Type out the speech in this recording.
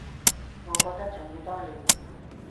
我覺得仲要多練